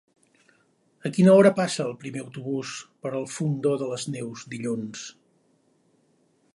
A quina hora passa el primer autobús per el Fondó de les Neus dilluns?